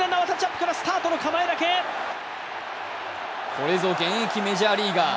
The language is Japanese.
これぞ現役メジャーリーガー。